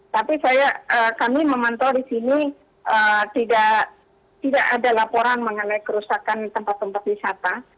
tapi kami memantau di sini tidak ada laporan mengenai kerusakan tempat tempat wisata